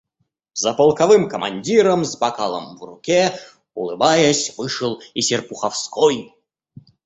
За полковым командиром с бокалом в руке, улыбаясь, вышел и Серпуховской.